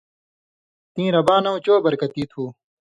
تیں رباں نؤں چو برکتی تُھو،